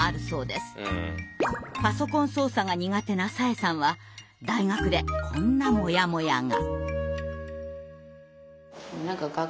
パソコン操作が苦手な紗英さんは大学でこんなモヤモヤが。